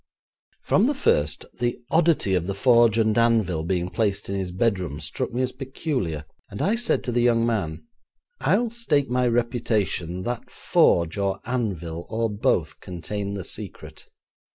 From the first the oddity of the forge and anvil being placed in his bedroom struck me as peculiar, and I said to the young man, 'I'll stake my reputation that forge or anvil, or both, contain the secret.